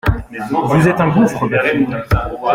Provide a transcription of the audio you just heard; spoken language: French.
Vous êtes un gouffre, ma fille.